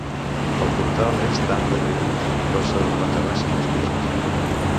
El portal és d'arc deprimit i consta de planta baixa i dos pisos.